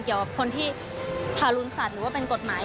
เกี่ยวกับคนที่ทารุณสัตว์หรือว่าเป็นกฎหมาย